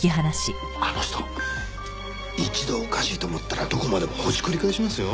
あの人一度おかしいと思ったらどこまでもほじくり返しますよ。